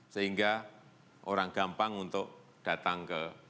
sehingga orang gampang untuk datang ke